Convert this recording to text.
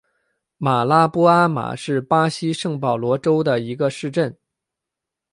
马拉波阿马是巴西圣保罗州的一个市镇。